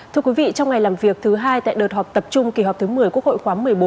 thưa quý vị trong ngày làm việc thứ hai tại đợt họp tập trung kỳ họp thứ một mươi quốc hội khóa một mươi bốn